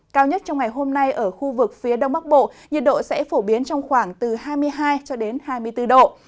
cao nhất trong ngày hôm nay ở khu vực phía đông bắc bộ nhiệt độ sẽ phổ biến trong khoảng từ hai mươi hai hai mươi bốn độ